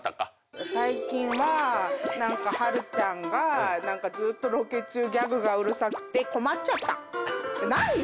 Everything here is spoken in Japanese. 最近は何かはるちゃんがずっとロケ中ギャグがうるさくて困っちゃった。